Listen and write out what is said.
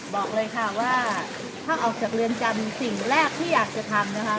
บอกเลยค่ะว่าถ้าออกจากเรือนจำสิ่งแรกที่อยากจะทำนะคะ